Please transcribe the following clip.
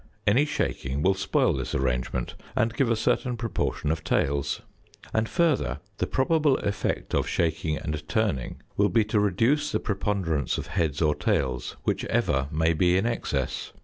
Any shaking will spoil this arrangement and give a certain proportion of tails. And, further, the probable effect of shaking and turning will be to reduce the preponderance of heads or tails whichever may be in excess.